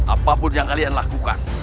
apapun yang kalian lakukan